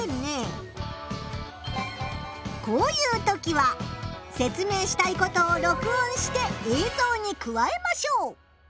こういうときは説明したいことを録音して映像に加えましょう。